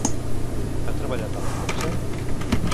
Ha treballat a la premsa?